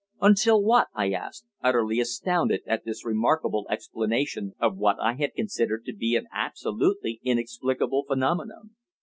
"Until what?" I asked, utterly astounded at this remarkable explanation of what I had considered to be an absolutely inexplicable phenomenon.